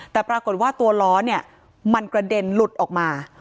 แต่ปรากฎว่าล้อกระเด็นลุดออกมา